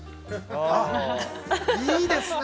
いいですね。